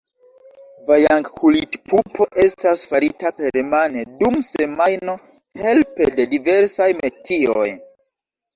Vajang-Kulit-pupo estas farita permane dum semajno helpe de diversaj metioj.